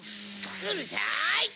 うるさい！